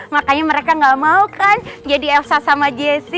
makanya mereka gak mau kan jadi elsa sama jesse